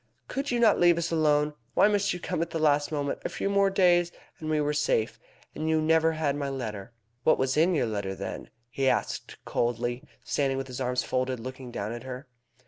Could you not leave us alone? Why must you come at the last moment? A few more days, and we were safe. And you never had my letter." "And what was in your letter, then?" he asked coldly, standing with his arms folded, looking down at her.